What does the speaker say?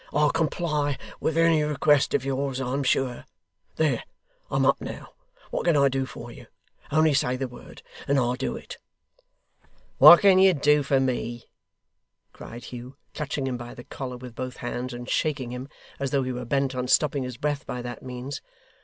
'I'll comply with any request of yours, I'm sure. There I'm up now. What can I do for you? Only say the word, and I'll do it.' 'What can you do for me!' cried Hugh, clutching him by the collar with both hands, and shaking him as though he were bent on stopping his breath by that means.